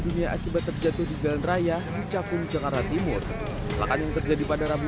dunia akibat terjatuh di jalan raya di cakung jakarta timur lelakan yang terjadi pada rabu